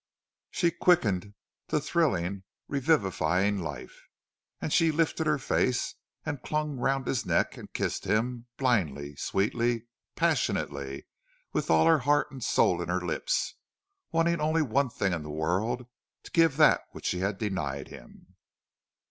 She quickened to thrilling, revivifying life. And she lifted her face, and clung round his neck, and kissed him, blindly, sweetly, passionately, with all her heart and soul in her lips, wanting only one thing in the world to give that which she had denied him.